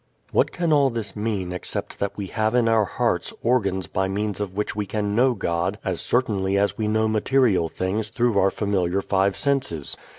What can all this mean except that we have in our hearts organs by means of which we can know God as certainly as we know material things through our familiar five senses?